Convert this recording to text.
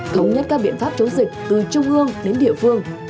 thống nhất các biện pháp chống dịch từ trung ương đến địa phương